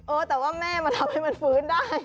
แต่ว่าแม่มาทำให้มันฟื้นได้